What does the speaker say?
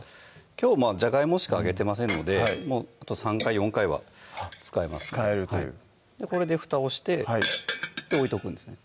きょうじゃがいもしか揚げてませんのであと３回・４回は使えます使えるというこれでふたをして置いておくんですね